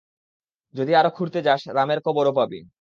যদি আরো খুড়তে যাস, রামের কবরও পাবি!